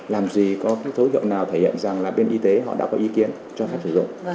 làm gì có cái thối hiệu nào thể hiện rằng là bên y tế họ đã có ý kiến cho phép sử dụng